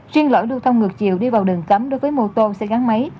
chuyên lỗi lưu thông ngược chiều đi vào đường cấm đối với mô tô xe gắn máy